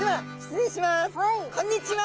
こんにちは。